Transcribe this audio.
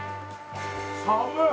寒い。